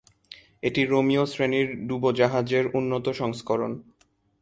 এটি রোমিও শ্রেণির ডুবোজাহাজের উন্নত সংস্করণ।